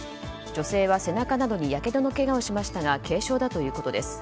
女性は背中などにやけどのけがをしましたが軽傷だということです。